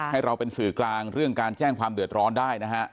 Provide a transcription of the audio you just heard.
ให้เราเป็นสื่อกลางเรื่องการแจ้งความเดือดร้อนได้นะฮะ